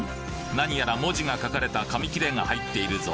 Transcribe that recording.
何やら文字が書かれた紙切れが入っているぞ。